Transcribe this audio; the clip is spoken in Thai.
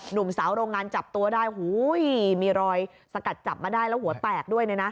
หนุ่มสาวโรงงานจับตัวได้มีรอยสกัดจับมาได้แล้วหัวแตกด้วยเนี่ยนะ